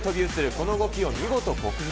この動きを見事克服。